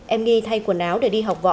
em nghi thay quần áo để đi học võ